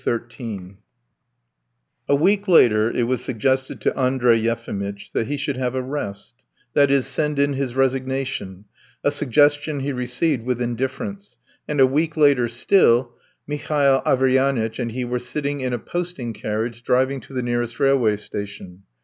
XIII A week later it was suggested to Andrey Yefimitch that he should have a rest that is, send in his resignation a suggestion he received with indifference, and a week later still, Mihail Averyanitch and he were sitting in a posting carriage driving to the nearest railway station.